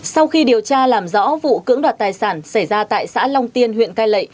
sau khi điều tra làm rõ vụ cưỡng đoạt tài sản xảy ra tại xã long tiên huyện cai lệ